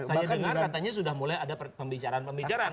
saya dengar katanya sudah mulai ada pembicaraan pembicaraan